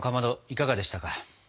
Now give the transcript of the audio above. いかがでしたか？